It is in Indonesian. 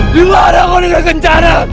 dimana kau ingrat kencana